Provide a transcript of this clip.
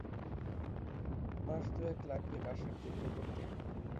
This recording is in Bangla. মাস দু-এক লাগবে বাসের যোগ্য করতে।